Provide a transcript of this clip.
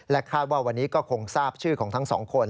คาดว่าวันนี้ก็คงทราบชื่อของทั้งสองคน